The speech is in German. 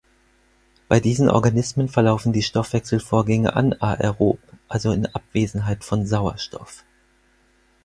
Bei diesen Organismen verlaufen die Stoffwechselvorgänge anaerob, also in Abwesenheit von Sauerstoff.